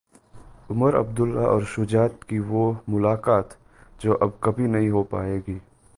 उमर अब्दुल्ला और शुजात की वो 'मुलाकात' जो अब कभी नहीं हो पाएगी